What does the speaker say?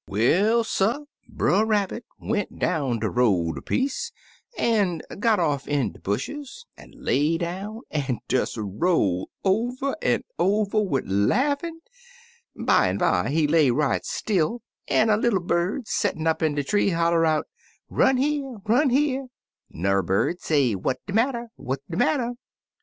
"Well, suh, Brer Rabbit went down de IS Uncle Remus Returns road a piece, an' got off in de bushes, an' lay down an' des roU'd over an' over wid laughin'. Bimeby he lay right still, an' a little bird, settin' up in de tree, holler out, *Run here I Run here I' 'N'er bird say, 'What de matter? What de matter?'